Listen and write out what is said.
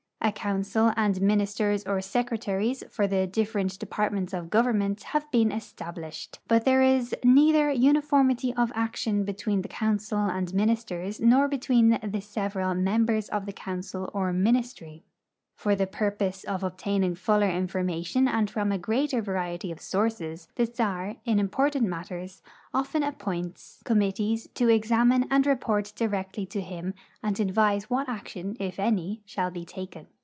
A council and ministers or secretaries for the different de[)art ments of government have been established, but there is neither uniformity of action betAveen the council and ministers nor betAveen the several members of the council or ministry. For the i)urpose of obtaining fuller information and from a greater variety of sources, the czar, in important matters, often ap})oints 18 RUSSIA IX EUROPE committees to examine and report directly to him and advise what action, if any, shall be taken.